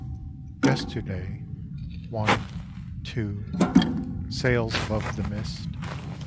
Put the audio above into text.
Yesterday One two sails above the mist